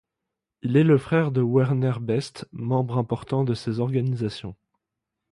Il est le frère de Werner Best, membre important de ces organisations.